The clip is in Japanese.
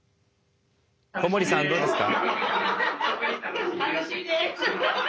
小森さんどうですか？